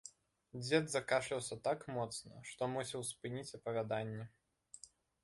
Дзед закашляўся так моцна, што мусіў спыніць апавяданне.